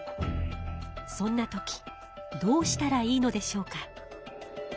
そんな時どうしたらいいのでしょうか？